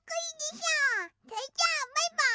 それじゃあバイバーイ！